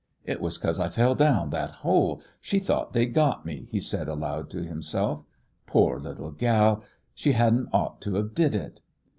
"It was 'cause I fell down that hole she thought they'd got me!" he said aloud to himself. "Pore little gal! She hadn't ought to have did it!"